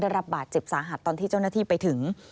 รับบาดเจ็บสาหัสตอนที่เจ้าหน้าที่ไปถึง